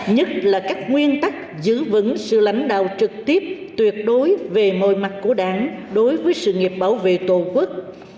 nhất là các nguyên tắc giữ vững sự lãnh đạo trực tiếp tuyệt đối về mọi mặt của đảng đối với sự nghiệp bảo vệ tổ quốc